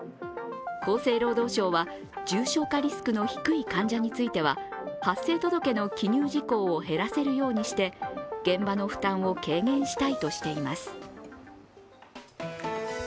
厚生労働省は重症化リスクの低い患者については発生届の記入事項を減らせるようにして現場の負担を軽減したいとしています。